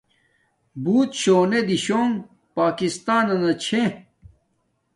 بوت شونے دیشونگ پاکستانانا چھے